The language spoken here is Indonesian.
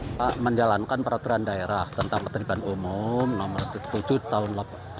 kita menjalankan peraturan daerah tentang ketertiban umum nomor tujuh puluh tujuh tahun dua ribu tujuh